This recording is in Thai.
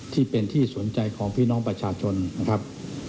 ที่เป็นที่สนใจของพี่น้องประชาชนนะครับ